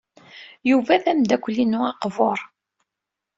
Yuba d ameddakel-inu aqbur.